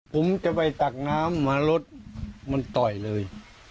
ผมจะไปตักน้ำมารถมันต่อยเลย